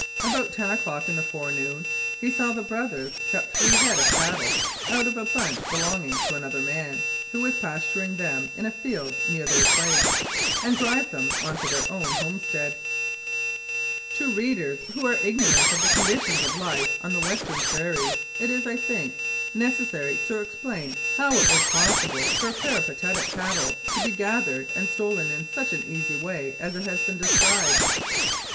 About ten o'clock in the forenoon he saw the brothers cut three head of cattle out of a bunch belonging to another man, who was pasturing them in a field near their place, and drive them on to their own homestead. 291 Mounted Police Life in Canada To readers who are ignorant of the conditions of life on the Western prairie it is, I think, necessary to explain how it was possible for peripatetic cattle to be gathered and stolen in such an easy way as has been described.